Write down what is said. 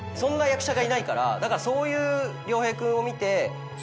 だからそういう亮平君を見て。